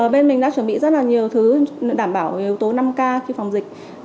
bên mình đã chuẩn bị rất là nhiều thứ đảm bảo yếu tố năm k khi phòng dịch